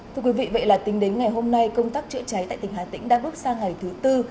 thưa quý vị vậy là tính đến ngày hôm nay công tác chữa cháy tại tỉnh hà tĩnh đang bước sang ngày thứ tư